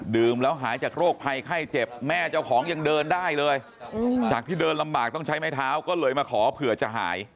แล้วหายจากโรคภัยไข้เจ็บแม่เจ้าของยังเดินได้เลยจากที่เดินลำบากต้องใช้ไม้เท้าก็เลยมาขอเผื่อจะหาย